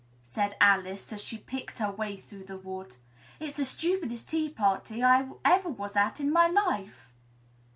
said Alice, as she picked her way through the wood. "It's the stupidest tea party I ever was at in all my life!"